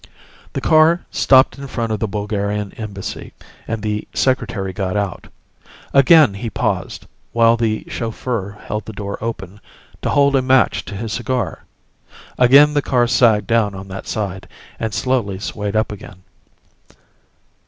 The car stopped in front of the Bulgarian Embassy, and the Secretary got out. Again he paused, while the chauffeur held the door open, to hold a match to his cigar. Again the car sagged down on that side, and slowly swayed up again.